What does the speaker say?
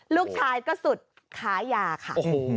ลูกชายก็สุดค้ายาค่ะ